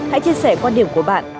hãy chia sẻ quan điểm của bạn